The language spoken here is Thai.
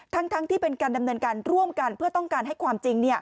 ทั้งที่เป็นการดำเนินการร่วมกันเพื่อต้องการให้ความจริง